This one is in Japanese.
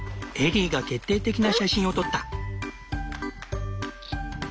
エリーが決定的な写真を撮った。